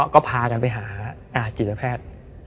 ก็พากันไปหาจิตแพทย์